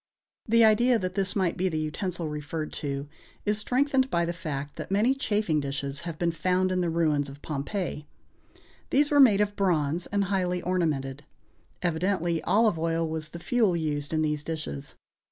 The idea that this might be the utensil referred to is strengthened by the fact that many chafing dishes have been found in the ruins of Pompeii. These were made of bronze, and highly ornamented. Evidently, olive oil was the fuel used in these dishes.